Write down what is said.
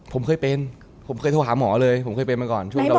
ผมเคยเป็นผมเคยโทรหาหมอเลยผมเคยเป็นมาก่อนช่วงดอ